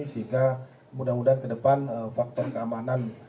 sehingga mudah mudahan ke depan faktor keamanan